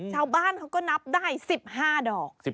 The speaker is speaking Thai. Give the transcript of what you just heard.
ชาวบ้านเขาก็นับได้๑๕ดอก